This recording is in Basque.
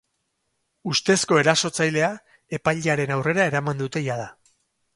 Ustezko erasotzailea epailearen aurrera eraman dute jada.